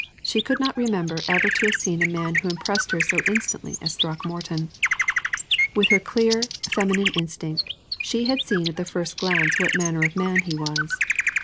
She could not remember ever to have seen a man who impressed her so instantly as Throckmorton. With her clear, feminine instinct, she had seen at the first glance what manner of man he was.